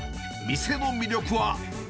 店の魅力は。